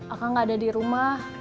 akang gak ada di rumah